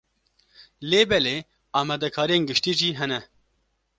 Lê belê, amadekariyên giştî jî hene.